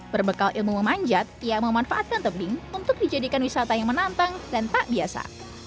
berbekal ilmu memanjat ia memanfaatkan tebing untuk dijadikan wisata yang menantang dan tak biasa